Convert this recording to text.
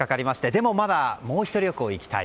でも、まだもうひと旅行行きたい。